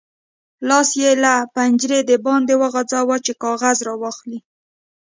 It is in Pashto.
لاس یې له پنجرې د باندې وغځاوو چې کاغذ راواخلي.